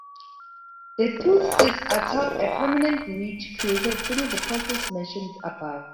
The Tooth sits atop a prominent ridge created through the process mentioned above.